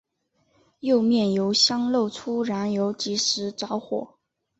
右面油箱漏出燃油即时着火。